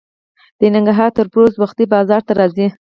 د ننګرهار تربوز وختي بازار ته راځي.